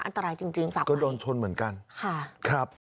อันตรายจริงฝากไว้ค่ะครับ